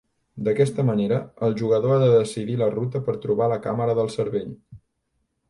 D'aquesta manera, el jugador ha de decidir la ruta per trobar la Càmera del cervell.